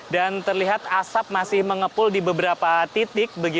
dan terlihat asap masih mengepul di beberapa titik